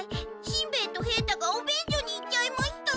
しんべヱと平太がお便所に行っちゃいました。